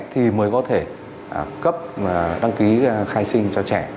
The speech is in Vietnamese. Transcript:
thì mới có thể cấp đăng ký khai sinh cho trẻ